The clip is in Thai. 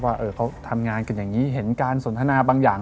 ว่าเขาทำงานกันอย่างนี้เห็นการสนทนาบางอย่าง